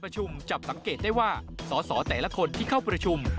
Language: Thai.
จับสังเกตได้ว่าสอสอแต่ละคนที่เข้าประชุม